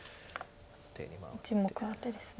１目アテですね。